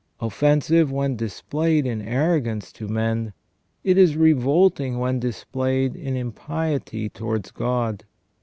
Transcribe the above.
Offensive when displayed in arrogance to men, it is revolting when dis played in impiety towards God.